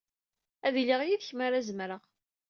Ad iliɣ yid-k mi ara zemreɣ.